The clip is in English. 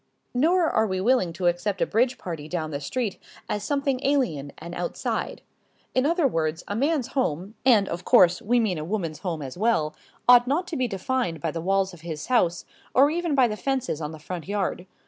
Nor are we willing to accept a bridge party down the street as something alien and outside. In other words, a man's home (and, of course, we mean a woman's home as well) ought not to be defined by the walls of his house or even by the fences of the front yard.